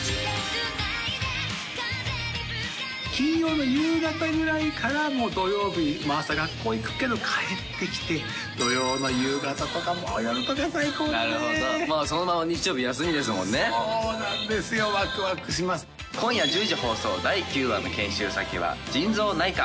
金曜の夕方ぐらいから、土曜日朝、学校行くけど帰ってきて、土曜の夕方とか、そのまま日曜日休みですもんそうなんですよ、わくわくし今夜１０時放送、第９話の研修先は腎臓内科。